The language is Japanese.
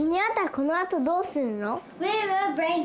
このあとどうするの？